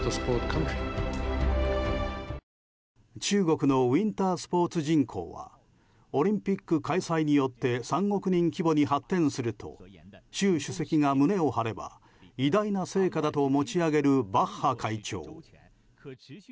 中国のウィンタースポーツ人口はオリンピック開催によって３億人規模に発展すると習主席が胸を張れば偉大な成果だと持ち上げるバッハ会長。